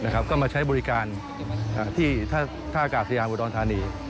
ก็มาใช้บริการที่ท่ากาศยานอุดรธานี